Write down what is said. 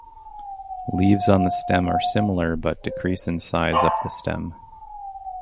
Leaves on the stem are similar but decrease in size up the stem.